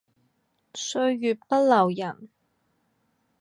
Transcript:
歲月不留人